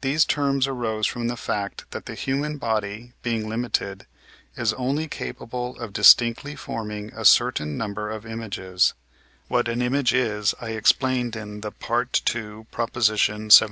These terms arose from the fact, that the human body, being limited, is only capable of distinctly forming a certain number of images (what an image is I explained in the II. xvii.